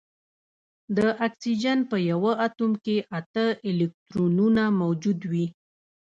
د اکسیجن په یوه اتوم کې اته الکترونونه موجود وي